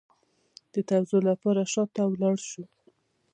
د توضیح لپاره شا ته لاړ شو